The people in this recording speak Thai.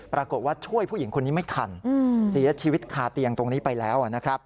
ปรากฏว่าช่วยผู้หญิงคนนี้ไม่ทันเสียชีวิตคาเตียงตรงนี้ไปแล้วนะครับ